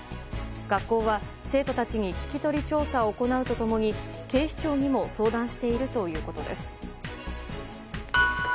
学校は、生徒たちに聞き取り調査を行うと共に警視庁にも相談しているということです。